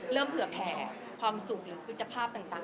เริ่มเหลือแผลความสุขหรือคุณภาพต่าง